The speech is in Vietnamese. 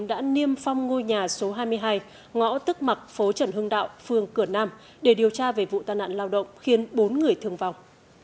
đã niêm phong ngôi nhà số hai mươi hai ngõ tức mặc phố trần hưng đạo phường cửa nam để điều tra về vụ tai nạn lao động khiến bốn người thương vong